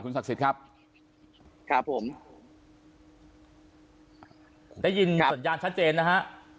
ศักดิ์สิทธิ์ครับครับผมได้ยินสัญญาณชัดเจนนะฮะ